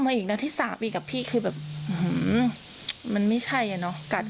ขี่รถมายิงลูกชายถึง๓นัด